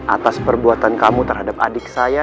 atas perbuatan kamu terhadap adik saya